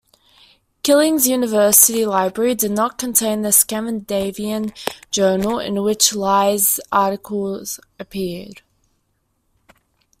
Killing's university library did not contain the Scandinavian journal in which Lie's article appeared.